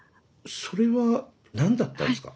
それは何だったんですか？